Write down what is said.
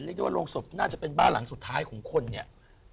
ได้ว่าโรงศพน่าจะเป็นบ้านหลังสุดท้ายของคนเนี่ย